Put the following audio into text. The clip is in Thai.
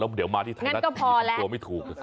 แล้วเดี๋ยวมาที่ฐานรัฐดีผมกลัวไม่ถูก